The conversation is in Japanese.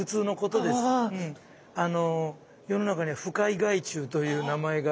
あの世の中には不快害虫という名前がありまして。